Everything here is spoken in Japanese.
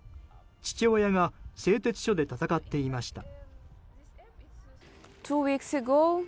父親が製鉄所で戦っていました。